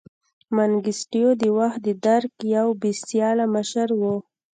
منګیسټیو دا وخت د درګ یو بې سیاله مشر و.